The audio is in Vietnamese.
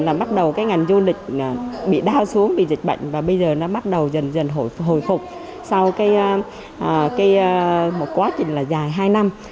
là bắt đầu cái ngành du lịch bị đau xuống vì dịch bệnh và bây giờ nó bắt đầu dần dần hồi phục sau một quá trình là dài hai năm